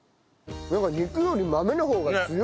なんか肉より豆の方が強い。